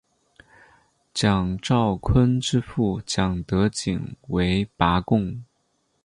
蒋兆鲲之父蒋德璟为拔贡。